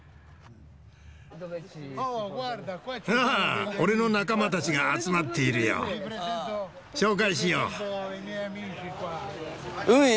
ああ俺の仲間たちが集まっているよ。紹介しよう。